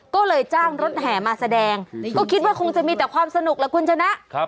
ก็เลยจ้างรถแห่มาแสดงก็คิดว่าคงจะมีแต่ความสนุกละคุณชนะ